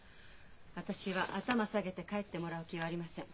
私は頭下げて帰ってもらう気はありません。